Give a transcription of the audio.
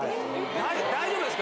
大丈夫ですか？